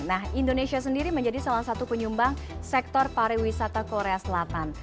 nah indonesia sendiri menjadi salah satu penyumbang sektor pariwisata korea selatan